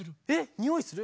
⁉においする？